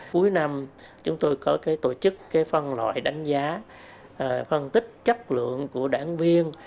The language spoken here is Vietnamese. cuối năm chúng tôi có tổ chức phân loại đánh giá phân tích chất lượng của đảng viên